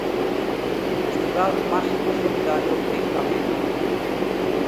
Festival máxico-solidario en Camelle.